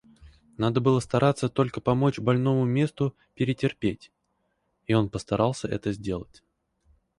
Надо было стараться только помочь больному месту перетерпеть, и он постарался это сделать.